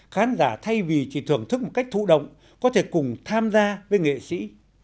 khán giả thay vì chỉ thưởng thức một cách thụ động có thể cùng tham gia với nghệ sĩ